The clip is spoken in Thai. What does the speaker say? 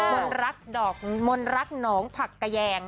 มนตร์รักดอกมนตร์รักหนองผักแกยาง